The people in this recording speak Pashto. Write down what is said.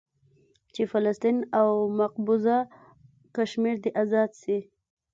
چې فلسطين او مقبوضه کشمير دې ازاد سي.